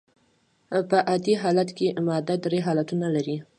په عادي حالت کي ماده درې حالتونه لري.